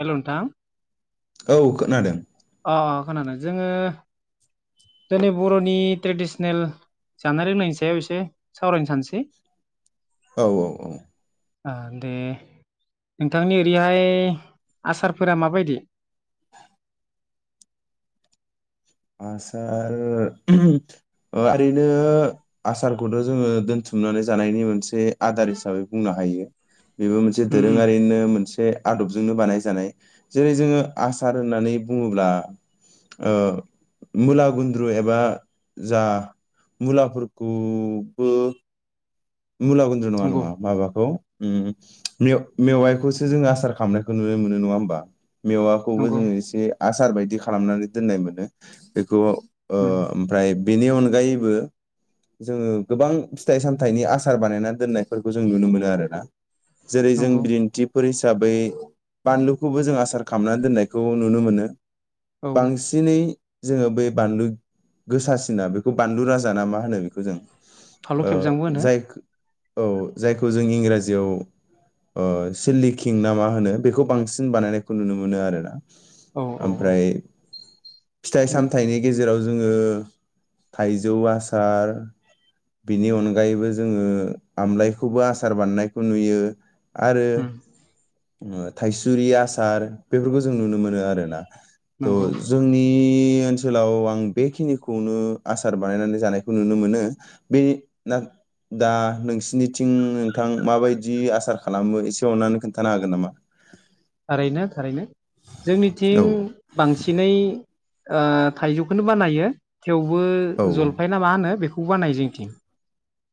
Hello नोंथां औ खोनादों अ अ खोनादों जोङो दोनै‌ बर'नि ट्रेडिसनेल जानाय लोंनायनि सायाव एसे सावरायनो सानसै औ औ औ ओ दे नोंथांनि ओरैहाय आसारफोरा माबायदि आसार [unintelligible] ओरैनो आसारखौथ' जोङो दोनथुमनानै जानायनि मोनसे आदार हिसाबै बुंनो हायो बेबो मोनसे उम उम दोरोङारिनिनो मोनसे आदबजोंनो बानायजानाय जेरै जोङो आसार होननानै बुङोब्ला ओ मुला गुन्द्रु एबा जा मुलाफोरखौबो मुला गुन्द्रु नङा नंगौ नङा माबाखौ उम मेवाइ-मेवाइखौसो जोङो आसार खालामनायखौ नुनो मोनो नङा होमबा मेवाखौबो नंगौ जोङो एसे आसार बाय दि खालामनानै दोननाय मोनो बेखौ ओ उम ओमफ्राय बेनि अनगायैबो जोङो गोबां फिथाइ सामथाइनि आस सार बानायनानै दोननायफोरखौ जों नुनो मोनो आरो ना जेरै जों नंगौ बिदिन्थि फोरसि थाबै बानलुखौबो जों आसार खालामनानै दोननायखौ नुनो मोनो औ बांसिनै जोङो बै बानलु गोसासिना बेखौ बानलु राजा ना मा होनो बेखौ जों फानलु ओ खेबजांबो होनो जाय औ जायखौ जों इंराजियाव ओ सिलिकिं ना मा होनो बेखौ बांसिन बानायनायखौ नुनो मोनो आरोना औ औ औ ओमफ्राय फिथाइ उम सामथायनि गेजेर जेराव जोङो थाइजौ आसार बिनि अनगायैबो जोङो ओ आमलायखौबो आसार बानायनायखौ नुयो आरो उम ओ थाइसुरि आसार बेफोरखौ जों नुनो मोनो आरो ना त' नंगौ जोंनि ओनसोलाव आं बेखिनिखौनो आसार बानायनानै जानायखौ नुनो मोनो बे दा नोंसिनिथिं नोंथां माबायदि आसार खालामो एसे अननानै खोनथा हागोन नामा थारैनो थारैनो औ जोंनिथिं बांसिनै ओ थाइजौखौनो बानायो थेवबो औ जलफाय ना मा होनो बेखौ खौ बानायो जोंनिथिं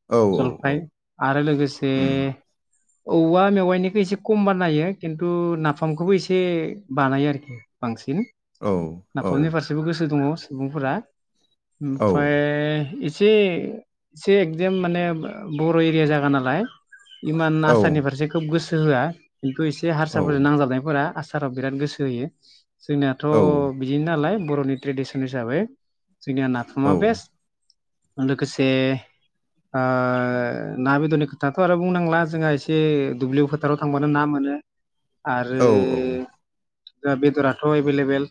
औ औ जलफाय आरो लोगोसे उम औवा मेवाइनिखौ एसे खम बानायो खिन्थु नाफामखौबो एसे बानायो आरोखि बांसिन औ औ नाफामनि फारसेबो गोसो दङ सुबुंफोरा औ ओमफ्राय से एदेम माने बर' एरिया जागा नालाय इमान औ आसारनि फारसे खोब गोसो होआ बेखौ एसे औ हारसाफोर नांजाबनायफोरा आस साराव बिराद गोसो होयो जोंनियाथ' औ बिदि नालाय बर'नि ट्रेडिसन हिसाबै जोंनिया औ नाफामा बेस्ट लोगोसे ओ ना बेदरनि खोथाथ' आरो बुंनांला जोंहा एसे दुब्लियाव फोथाराव थांबानो ना मोनो आरो औ दा बेदर आथ एभेलेबेल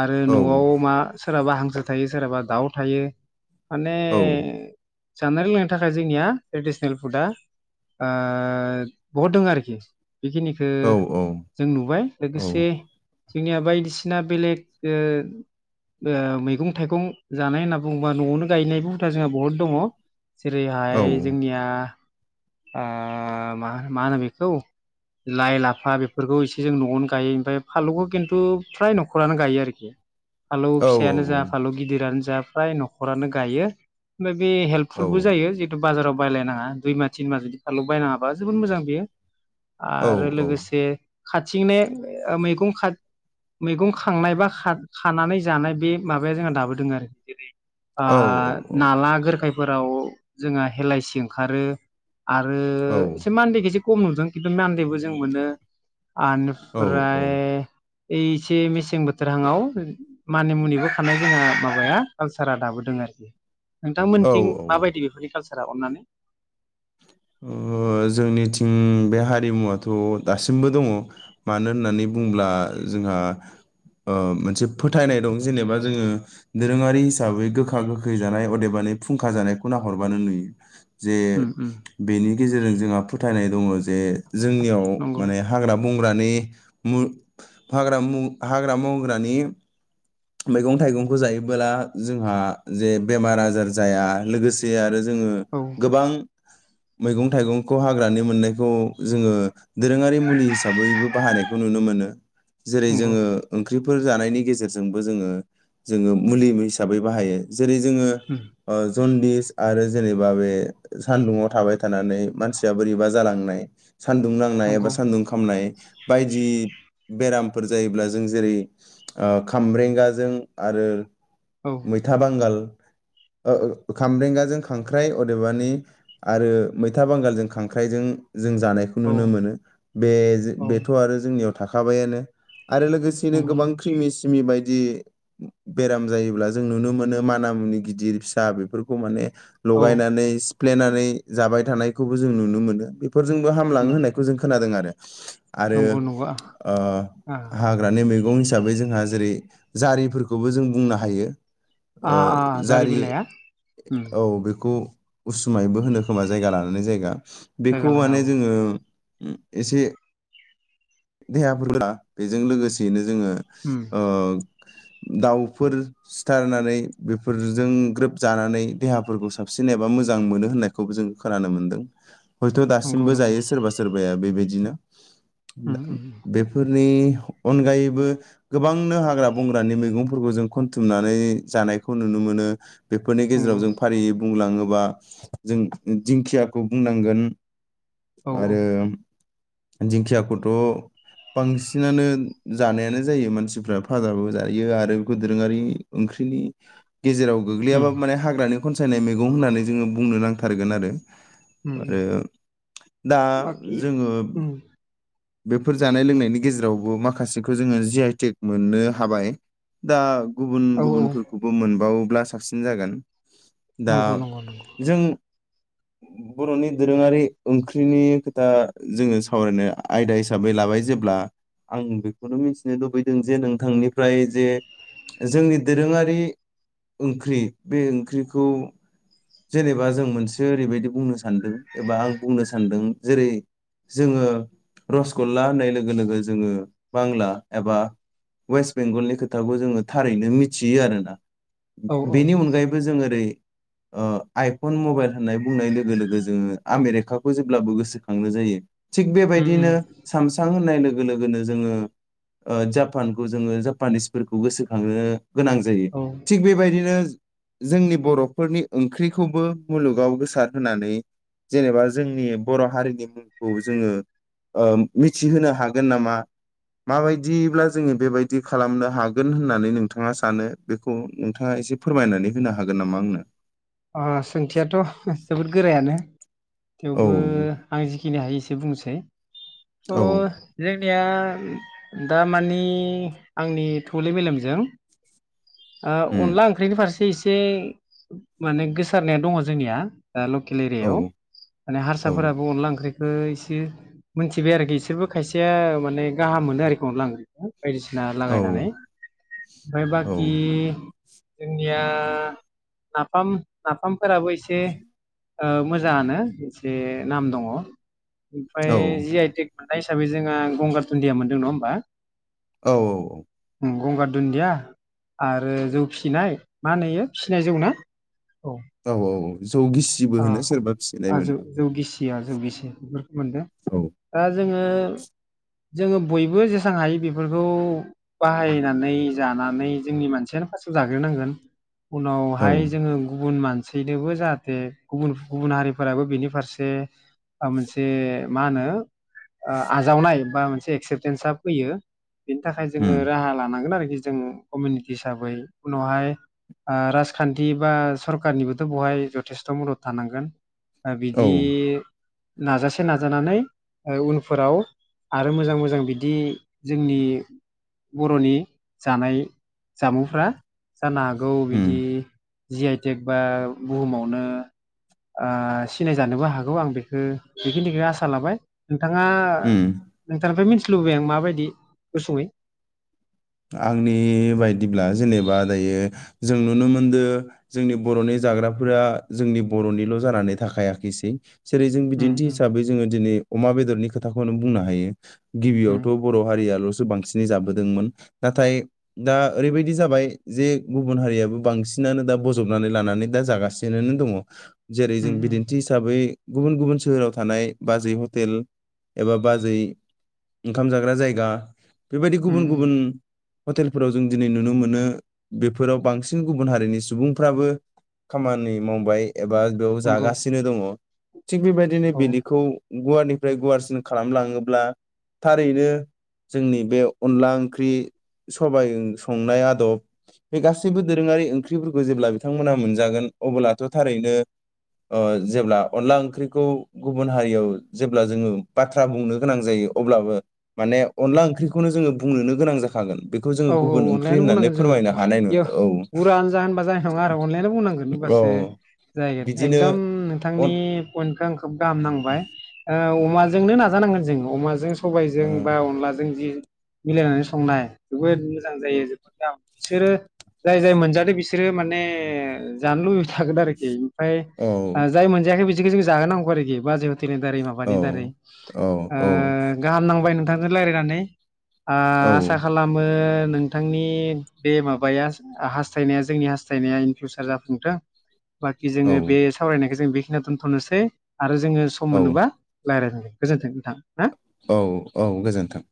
आरो न'आव मा सोरहाबा हांसो थायो सोरहाबा दाउ थायो माने औ जानाय लोंनायनि थाखाय जोंनिया ट्रेडिसनेल फुडा ओ बहुद दोङो आरोखि बेखिनिखो जों नुबाय लोगोसे जोंनिया बायदिसिना बेलेग ओ ओ मैगं थाइगं जानाय होनना बुङोबा न'आवनो गायनाय बो हुथा जोंहा बहुद दङ जेरैहाय जोंनिया ओ मा मा होनो बेखौ लाइ लाफा बेफोरखौ एसे जों न'आवनो गायो ओमफ्राय फानलौखौ खिन्थु फ्राय न'खरानो गायो आरोखि फालौ फिसायानो जा फालौ गिदिरानो जा फ्राय न'खरानो गायो ओमफाय बे फुलबो जायो जितु बाजाराव बायलायनाङा दुइ मा तिन मा जुदि फालु बायनाङाबा जोबोद मोजां बियो आरो लोगोसे खाथिंने ओ मैगं खा मैगं खांनाय बा खा खानानै जानाय बे माबाया जोंहा दाबो दोङो आरो जेरै ओ औ नाला गोरखाय फोराव जोंहा हेलाइसि ओंखारो औ आरो औ से मानदेखेजे खम नुदों खिन्थु मान्देबो जों मोनो आनिफ्राय ओइ एसे मेसें बोथोरहां आव मानि मुनिबो खानाय जोंहा माबाया कालसारा दाबो दोङो आरोखि नोंथां थिं माबायदि ओ बेफोरनि बेफोरनि खालसा रा अनानै ओ जोंनिथिं बे हारिमुवथ' दासिमबो दङ मानो होननानै बुंब्ला जोंहा ओ मोनसे फोथायनाय दं जेनेबा जोङो दोरोङारि हिसाबै गोखा गोखै जानाय अदेबानि फुंखा जानायखौ नाहरबानो नुयो जे उम उम नि गेजेरजों जोंहा फोथायनाय दङ जे जोंनियाव नंगौ माने हाग्रा बं ग्रा नि मु फाग्रा मु हाग्रा बंग्रानि मैगं थाइगंखौ जायोबोला जोंहा जे बेमार आजार जाया लोगोसे आरो जोङो औ गोबां मैगं थाइगंखौ हाग्रानि मोननायखौ जोङो दोरोङारि मुलि हिसाबैबो बाहायनायखौ नुनो मोनो जेरै नंगौ जोङो ओंख्रि फोर जानायनि गेजेर जोंबो जोङो जोङो मुलि हिसाहबैबो बाहायो जेरै जोङो उम ओ जनदिस आरो जेनेबा बे सानदुङाव थाबाय थानानै मानसिया बोरैबा जालांनाय सान्दुं नांनाय एबा नंगौ सान्दुं खामनाय बायदि बेरामफोर जायोब्ला जों जेरै ओ खामब्रेंगाजों आरो औ मैथा बांगाल ओ ओ खामब्रेंगाजों खांख्राइ अदेबानि आरो मैथा बांगालजों खांख्राइजों जों जानायखौ औ नुनो मोनो बे औ बेथ' आरो जोंनियाव थाखाबायानो आरो लोगोसेनो नंगौ गोबां क्रिमिस बेबायदि बेराम जायोब्ला जों नुनो मोनो माना मुनि गिदिर फिसा बेफोरखौ माने औ लगायनानै सिप्लेनानै जाबाय थानायखौबो जों नुनो मोनो बे बेफोरजोंबो हामलाङो नं होननायखौ जों खोनादों आरो [unintelligible] आरो नंगौ नंगौ आ ओ आ हाग्रानि मैगं गं हिसाबै जोंहा जेरै जारिफोरखौबो जों बुंनो हायो आ ओ आ जारि बिलाइआ उम औ बेखौ उसुमायबो होनो खोमा जायगा लानानै जायगा जायगा बेखौ लाना माने औ जोङो उम एसे देहाफोरा बेजों लोगोसेयैनो जोङो उम ओ दाउफोर सिथारनानै बेफोरजों ग्रोब जानानै देहाफोरखौ साबसिन एबा मोजां मोनो होननायखौबो जों खोनानो मोनदों। हयथ' नंगौ दासिमबो नंगौ जायो सोरबा सोरबाया बेबायदिनो [inaudible] उम दा उम बेफोर नि अनगायैबो गोबांनो हाग्रा बंग्रानि मैगंफोरखौ जों खनथुमनानै जानायखौ नुनो मोनो बेफोरनि गेजेराव नंगौ जों फारियै बुंलाङो बा जों दिंखियाखौ बुंनांगोन औ औ आरो दिंखियाखौ थ' बांसिनानो जानायानो जायो मानसिफ्रा फाजाबो जायो आरो बेखौ दोरोङारि ओंख्रिनि गेजेराव उम गोग्लैयाबाबो माने हाग्रानि खनसायनाय मै गं होननानै जोङो बुंनो नां थारगोन आरो उम उम आरो दा बाखि जोङो उम बेफोर जानाय लोंनायनि गेजेरावबो माखासेखौ जोङो जि आइ टेक मोननो हाबाय दा गुबुन औ औ गुबुनफोरखौबो मोनबाव ब्ला साबसिन जागोन दा नंगौ नंगौ नंगौ जों बर'नि दोरोङारि ओंख्रिनि खोथा जोङो सावरायनो आयदा हिसाबै लाबाय जेब्ला आं बेखौनो मिथिनो लुबैदों जे नोंथांनिफ्राय जे जोंनि दोरोङारि ओंख्रि बे ओंख्रिखौ जेनेबा जों मोनसे ओरैबायदि बुंनो सानदों एबा आं बुंनो सानदों जेरै जोङो रसगल्ला होननाय लोगो लोगो जोङो बांला एबा वेस्ट बेंगलनि खोथाखौ जोङो थारैनो मिथियो आरोना औ बेनि अनगायैबो जों ओरै ओ आइफन मबाइल होननाय बुंनाय लोगो लोगो जोङो आमेरिकाखौ जेब्लाबो गोसोखांनो जायो थिग बे उम उम दिनो सामसां होननाय लो गो लोगोनो जोङो ओ जापानखौ जोङो जापानिसफोरखौ गोसोखाङो गोनां जायो औ थिग बेबायदिनो जोंनि बर'फोरनि ओंख्रिखौबो मुलुगाव गोसार होनानै जेनेबा जोंनि बर' हारिनि मुंखौ जोङो ओ मिथिहोनो हागोन नामा माबायदिब्ला जोङो बेबायदि खालामनो हागोन होननानै नोंथाङा सानो बेखौ नोंथाङा एसे फोरमायनानै होनो हागोन नामा आंनो अ सोंथियाथ' जोबोर गोरायानो औ थेवबो आं जिखिनि हायो से बुंसै अ औ जे निया दामानि आंनि थौले मेलेमजों ओ उम अनला ओंख्रिनि फारसे इस से माने गोसारनाया दङ जोंनिया दा लकेल औ एरियायाव माने औ हारसाफोराबो अनला ओंख्रि खो इसे मोनथिबाय आरोखि इसोरबो खायसेया माने गाहाम मोनो आरोखि अनला ओंख्रिखो बायदिसिना औ लागायनानै ओमफाय बा औ खि जोंनिया नाफाम नाफामफोराबो एसे ओ मोजाङानो एसे नाम दङ औ ओमफ्राय जि आइ थेग मोन्नाय हिसाबै जोंहा गंगार दुन्दिया मोनदों नङा होमबा औ औ औ गंगार दुन्दिया आरो जौ फिसिनाय मा होनो इयो फिसिनाय जौ ना औ औ औ जौ गिसिबो आ होनो सोरबा फिसिनायमोन आजौ औ जौ गिसिया जौ गिसि बेफोरखौ मोनदों आ जोङो ङो जोङो बयबो जेसेबां हायो बेफोरखौ बाहायनानै जानानै जोंनि मानसियानो फार्स्टआव जाग्रोनांगोन औ उनावहाय जोङो गुबुन मान सैनोबो जाहाथे गुबुन गुबुन हारिफोराबो बेनि फारसे आ मोनसे मा होनो ओ आजावनाय बा मोनसे एक्सेप्टेन्सा फैयो बेनि थाखाय जोङो उम राहा लानांगोन आरो जे जों कमनिथि हिसाबै उनावहाय आ राजखान्थि बा सर खारनिबोथ' बहाय जथेस्थ' मदद थानांगोन दा औ बिदि नाजासे नाजानानै ओ उनफोराव आरो मोजां मोजां बिदि जोंनि बर'नि जानाय जामुंफ्रा जानो हागौ बिदि उम जि आइ टेक बा बुहुमावनो ओ सिनायजानोबो हागौ आं बेखो बेखिनिखौ आसा लाबाय नोंथाङा उम नोंथांनिफ्राय मिथ लुबैयो आं माबायदि गुसुङै आंनि बायदिब्ला जेनेबा दायो जों नुनो मोनदो जोंनि बर'नि जाग्राफोरा जोंनि बर'निल' जानानै थाखायाखैसै जेरै जों उम बिदिन्थि उम हिसाबै जोङो दिनै अमा बेदरनि खो थाखौनो बुंनो हायो उम गिबियावथ' बर' हारियाल'सो बांसिनै जाबोदोंमोन नाथाय दा ओरैबायदि जाबाय जे गुबुन हारियाबो बांसिनानो दा बजबनानै लानानै दा जागासिननो दङ जेरै उम जों उम बिदिन्थि हिसाबै गुबुन गुबुन सोहोराव थानाय बाजै हटेल एबा बाजै ओंखाम जाग्रा जायगा बेबायदि उम गुबुन गुबुन उम हटेलफोराव जों दिनै नुनो मोनो बेफोराव बांसिन गुबुन हारिनि सुबुंफ्राबो खामानि मावबाय एबा बेव नंगौ जागासिनो दङ थिग बेबायदिनो औ बिनिखौ गुवारनिफ्राय गुवारसिन खालामलाङोब्ला थारैनो जोंनि बे अनला ओंख्रि सबाय ओं संनाय आदब बे गासैबो दोरोङारि ओंख्रिफोरखौ जेब्ला बिथांमोना मोनजागोन अब्लाथ' थारैनो ओ जेब्ला अनला ओंख्रिखौ गुबुन हारियाव जेब्ला जोङो बाथ्रा बुंनो गोनां जायो अब्लाबो माने अनला ओंख्रिखौनो जोङो बुंनोनो गोनां जाखा थागोन औ औ अनलायानो बुंनांगोन जोङो अ हानाय नङा यो औ गुरा आनजा होनबा जानाय नङा आरो अनलायानो बुंनांगोन औ हबासो जाहगोन बिदिनो एकदम नोंथांनि अन पइन्टखौ आं खोब गाहाम नांबाय ओ अमाजोंनो नाजानांगोन जों अमाजों सबायजों बा अनलाजों जि मिलायनानै संनाय जोबोद मोजां जायो जोबोद गाम बिसोरो जाय जाय मोनजादों बिसोरो माने जानो लुबैबाय थागोन आरोखि ओमफ्राय ओ आ जाय मोनजायाखै बि सोरखौ जाहोनांगौ आरोखि बाजै ह टेलनि दारै औ माबानि दारै औ ओ औ गाहाम नांबाय नोंथांजों रायलायनानै आ औ आसा ओ नोंथांनि बे माबाया हासथायनाया जोंनि हासथायनाया इन फिउचार जाफुंथों बाखि औ जोङो बे सावरायनायखौ जों बे खिनियाव दोन थ'नोसै आरो जोङो सम औ मोनोबा रायलायफिनगोन गोजोन्थों नोंथां ना औ औ गोजोन्थों